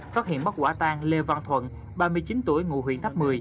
có hiện bắt quả tan lê văn thuận ba mươi chín tuổi ngụ huyện tháp một mươi